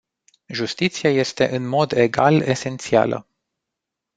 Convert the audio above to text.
Justiția este în mod egal esențială.